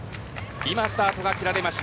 今、スタートが切られました。